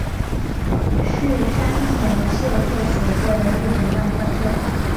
是山田秀树所作的日本漫画作品。